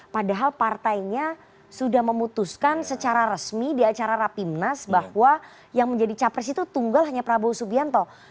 padahal partainya sudah memutuskan secara resmi di acara rapimnas bahwa yang menjadi capres itu tunggal hanya prabowo subianto